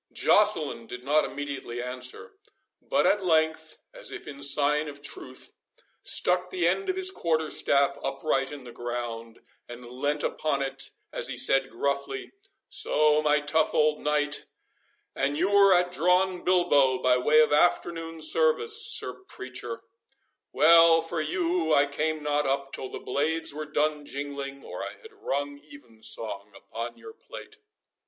Joceline did not immediately answer, but at length, as if in sign of truce, stuck the end of his quarterstaff upright in the ground, and leant upon it as he said gruffly,—"So, my tough old knight and you were at drawn bilbo, by way of afternoon service, sir preacher—Well for you I came not up till the blades were done jingling, or I had rung even song upon your pate."